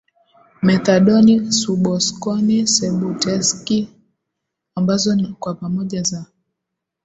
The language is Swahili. methadoni suboksoni subuteksi ambazo kwa pamoja za